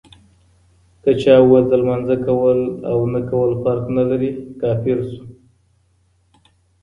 که چا وويل د لمانځه کول اونه کول فرق نلري، کافر سو